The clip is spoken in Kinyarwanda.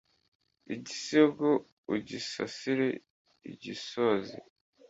Igisigo ugisasire ugisoze